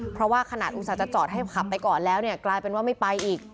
เพราะว่าขนาดอุตส่าห์จะจอดให้ขับไปก่อนแล้วเนี่ยกลายเป็นว่าไม่ไปอีก